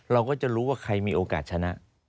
เราก็จะรู้ว่าใครมีโอกาสชนะ